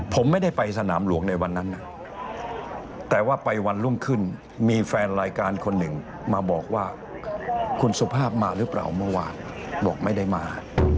ผมไม่ได้ไปสนามหลวงในวันนั้นนะแต่ว่าไปวันรุ่งขึ้นมีแฟนรายการคนหนึ่งมาบอกว่าคุณสุภาพมาหรือเปล่าเมื่อวานบอกไม่ได้มา